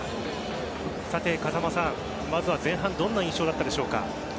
風間さん、まずは前半どんな印象だったでしょうか。